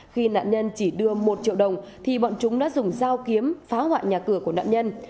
khi nạn nhân chỉ đưa một triệu đồng thì bọn chúng đã dùng dao kiếm phá hoại nhà cửa của nạn nhân